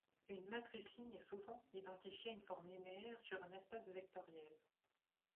Une matrice ligne est souvent identifiée à une forme linéaire sur un espace vectoriel.